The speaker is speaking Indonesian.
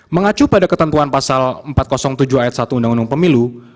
mengacu pada ketentuan pasal empat ratus tujuh ayat satu undang undang pemilu